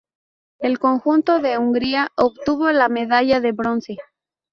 El conjunto de Hungría obtuvo la medalla de bronce.